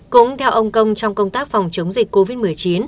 cũng theo ông công trong công tác phòng chống dịch covid một mươi chín